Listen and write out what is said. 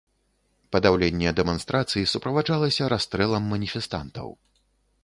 Падаўленне дэманстрацый суправаджалася расстрэлам маніфестантаў.